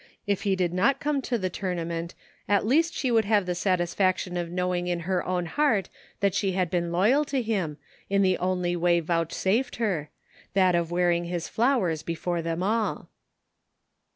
If he did not come to the totunament at least she would have the satisfaction of knowing in her own heart that she had been loyal to him, in the only way vouchsafed her, that of wearing his flowers before them ajl.